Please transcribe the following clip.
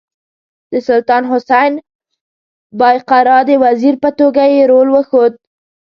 د سلطان حسین بایقرا د وزیر په توګه یې رول وښود.